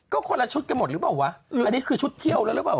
ก็คนละชุดกันหมดหรือเปล่าวะอันนี้คือชุดเที่ยวแล้วหรือเปล่า